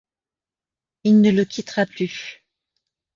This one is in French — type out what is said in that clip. Il ne le quittera plus.